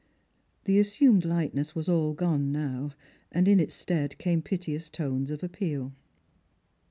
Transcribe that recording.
The assumed lightness was all gone now, and in its stead came piteous tones of appeal.